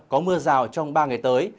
có mưa rào trong ba ngày tới